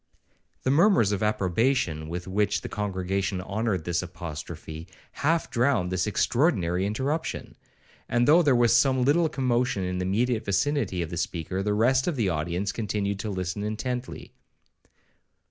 The murmurs of approbation with which the congregation honoured this apostrophe, half drowned this extraordinary interruption; and though there was some little commotion in the immediate vicinity of the speaker, the rest of the audience continued to listen intently.